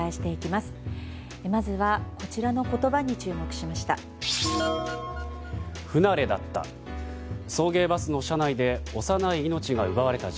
まずは、こちらの言葉に注目しました。